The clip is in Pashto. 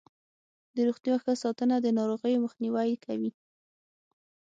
د روغتیا ښه ساتنه د ناروغیو مخنیوی کوي.